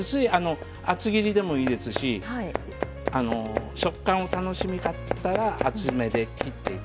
厚切りでもいいですし食感を楽しみたかったら厚めで切って頂いて。